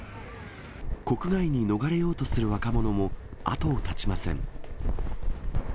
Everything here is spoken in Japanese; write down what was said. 国外に逃れようとする若者も後を絶ちません。